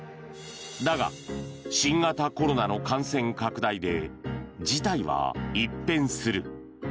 だが、新型コロナの感染拡大で事態は一変する。